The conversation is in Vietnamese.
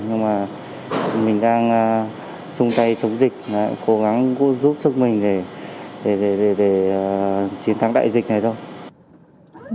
nhưng mà mình đang chung tay chống dịch và cố gắng giúp sức mình để chiến thắng đại dịch này thôi